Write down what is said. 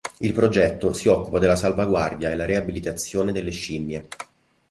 Il progetto si occupa della salvaguardia e la riabilitazione delle scimmie.